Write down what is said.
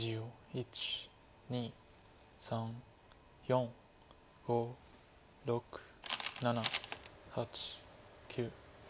１２３４５６７８９。